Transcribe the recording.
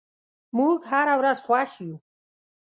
موږ هره ورځ خوښ یو.